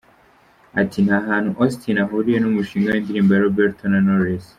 Ati “Nta hantu Austin ahuriye n’umushinga w’indirimbo ya Roberto na Knowless.